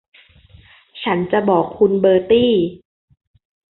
ฉันจะบอกคุณเบอร์ตี้